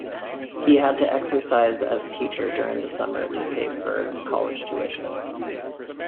He had to exercise as teacher during the summer to pay for college tuition.